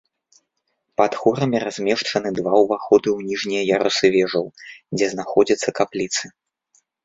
Пад хорамі размешчаны два ўваходы ў ніжнія ярусы вежаў, дзе знаходзяцца капліцы.